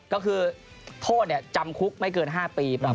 ก็คือโทษจำคุกไม่เกิน๕ปี